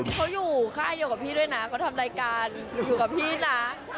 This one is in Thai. เขาอยู่ค่ายเดียวกับพี่ด้วยนะเขาทำรายการหนูอยู่กับพี่นะ